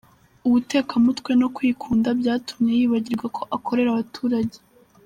Ubutekamutwe no kwikunda byatumye yibagirwa ko akorera abaturage !